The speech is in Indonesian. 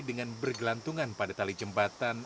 dengan bergelantungan pada tali jembatan